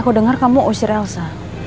aku dengar kamu osih elsa